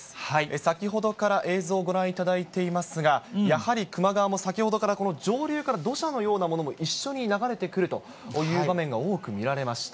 先ほどから映像ご覧いただいていますが、やはり球磨川も先ほどから上流から土砂のようなものも一緒に流れてくるという場面が多く見られました。